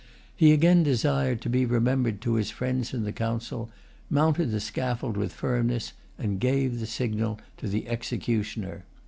He again desired to be remembered to his friends in the Council, mounted the scaffold with firmness, and gave the signal to the executioner.